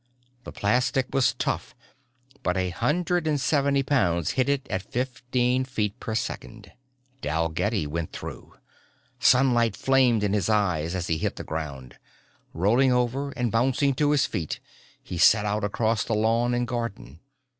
The plastic was tough but a hundred and seventy pounds hit it at fifteen feet per second. Dalgetty went through! Sunlight flamed in his eyes as he hit the ground. Rolling over and bouncing to his feet he set out across lawn and garden.